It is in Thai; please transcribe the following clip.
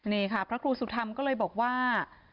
นี่ค่ะพระครูสุธรรมก็เลยบอกว่า